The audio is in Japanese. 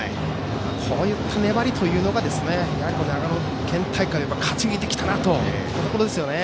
こういった粘りというのが長野県大会を勝ち抜いてきたところですね。